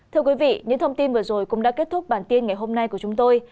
thưa quý vị những thông tin vừa rồi cũng đã kết thúc bản tin ngày hôm nay của chúng tôi